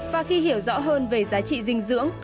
và khi hiểu rõ hơn về giá trị dinh dưỡng